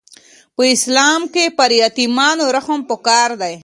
په اسلام کي پر یتیمانو رحم پکار دی.